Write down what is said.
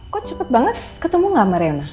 kok cepet banget ketemu gak sama reona